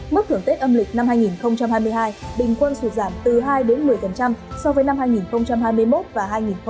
mức thưởng tết âm lịch năm hai nghìn hai mươi hai bình quân sụt giảm từ hai đến một mươi so với năm hai nghìn hai mươi một và hai nghìn hai mươi hai